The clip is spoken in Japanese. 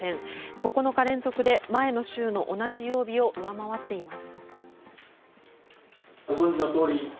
９日連続で前の週の同じ曜日を上回っています。